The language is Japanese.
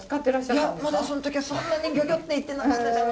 いやまだその時はそんなに「ギョギョ」って言ってなかったかも。